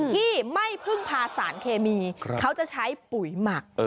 ที่ไม่พึ่งพาสารเคมีเขาจะใช้ปุ๋ยหมัก